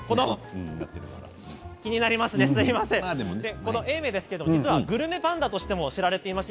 この永明ですけどグルメパンダとしても知られています。